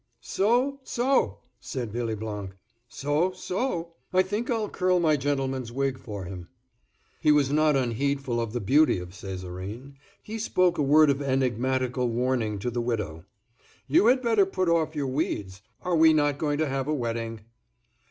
"So—so!" said Villeblanc. "So—so! I think I'll curl my gentleman's wig for him." He was not unheedful of the beauty of Césarine. He spoke a word of enigmatical warning to the widow. "You had better put off your weeds. Are we not going to have a wedding?"